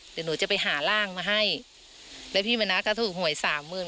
เดี๋ยวหนูจะไปหาร่างมาให้แล้วพี่มณะก็ถูกหวยสามหมื่น